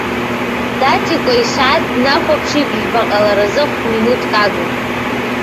Даҭикәа исааҭ днахәаԥшит жәба ҟаларазы хә-минуҭк агын.